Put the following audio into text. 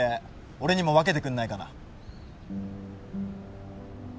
俺にも分けてくんないかな？